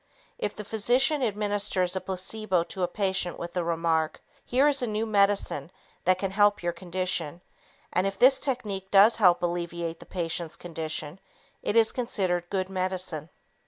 If the physician administers a placebo to a patient with the remark, "Here is a new medication that can help your condition" and if this technique does help alleviate the patient's condition, it is considered good medicine.